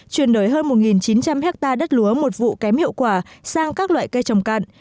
chuyển đổi hơn một chín trăm linh hectare đất lúa một vụ kém hiệu quả sang các loại cây trồng cạn